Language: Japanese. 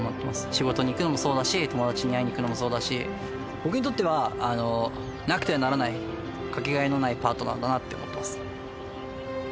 仕事に行くのもそうだし、友達に会いに行くのもそうだし、僕にとっては、なくてはならない、掛けがえのないパートナーだなって思ってます。